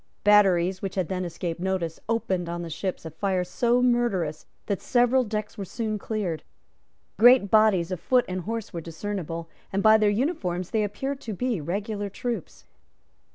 Batteries which had then escaped notice opened on the ships a fire so murderous that several decks were soon cleared. Great bodies of foot and horse were discernible; and, by their uniforms, they appeared to be regular troops.